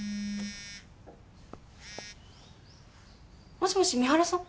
もしもし三原さん？